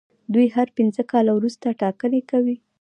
دوی هر پنځه کاله وروسته ټاکنې کوي.